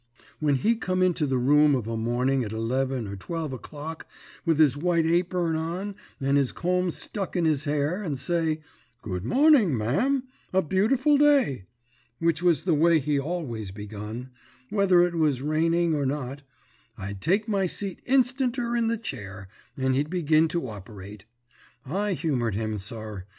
When he come into the room of a morning at eleven or twelve o'clock with his white apern on and his comb stuck in his hair, and say, 'Good morning, ma'am, a beautiful day,' which was the way he always begun, whether it was raining or not I'd take my seat instanter in the chair, and he'd begin to operate. I humoured him, sir!